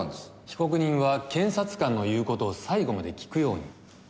被告人は検察官の言う事を最後まで聞くように。